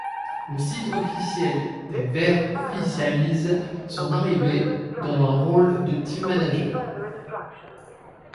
Le site officiel des Verts officialise son arrivée dans un rôle de Team Manager.